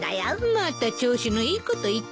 また調子のいいこと言って。